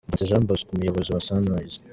Ndungutse Jean Bosco, umuyobozi wa Sunrise F.